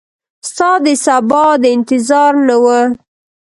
ستا دسبا د انتظار نه وه